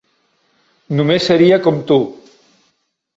Només seria com tu.